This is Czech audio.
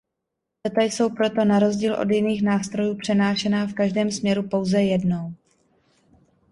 Data jsou proto na rozdíl od jiných nástrojů přenášena v každém směru pouze jednou.